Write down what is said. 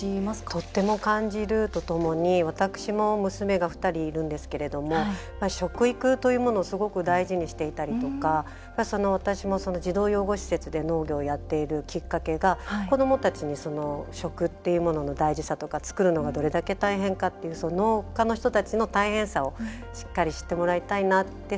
とても感じるとともに私も娘が２人いるんですけれども食育というものをすごく大事にしていたりとか私も児童養護施設で農業をやっているきっかけが子どもたちに食っていうものの大事さとか作るのがどれだけ大変かっていう農家の人たちの大変さをしっかり知ってもらいたいなって。